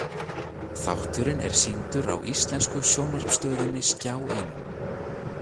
Þátturinn er sýndur á íslensku sjónvarpstöðinni Skjáeinum.